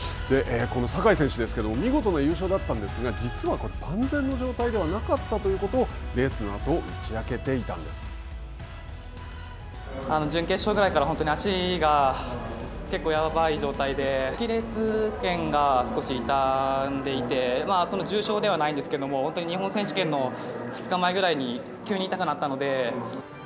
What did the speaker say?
この坂井選手ですけれども、見事な優勝だったんですが、実は、万全の状態ではなかったということをレースのあと、打ち明けていた準決勝ぐらいから本当に足が結構やばい状態でアキレスけんが少し痛んでいて重症ではないんですけど、本当に日本選手権の２日前ぐらいに急に痛くなったので。